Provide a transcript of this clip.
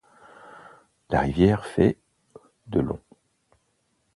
La rivière fait de long.